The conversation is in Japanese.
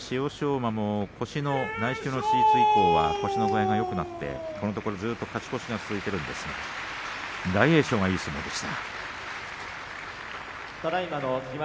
馬も内視鏡の手術以降腰の状態がよくなってこのところ勝ち越しが続いているんですが大栄翔はいい相撲を取りました。